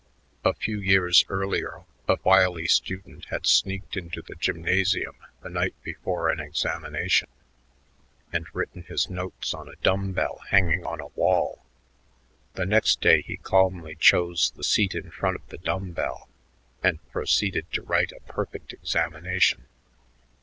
A few years earlier a wily student had sneaked into the gymnasium the night before an examination and written his notes on a dumbbell hanging on the wall. The next day he calmly chose the seat in front of the dumbbell and proceeded to write a perfect examination.